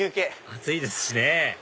暑いですしね